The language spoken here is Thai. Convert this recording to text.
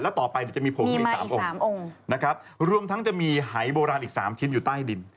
และต่อไปจะมี๖องค์อีกนิดนึงรวมทั้งจะมีหายโบราณอีก๓ชิ้นอยู่ใต้ดิน